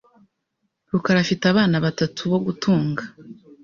rukara afite abana batatu bo gutunga .